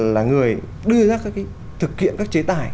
là người đưa ra thực kiện các chế tài